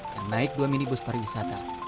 yang naik dua minibus pariwisata